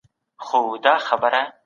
د پیښو د منطق درک کول مهم کار دی.